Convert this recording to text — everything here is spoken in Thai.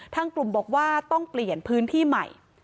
ทางกลุ่มบอกว่าต้องเปลี่ยนพื้นที่ใหม่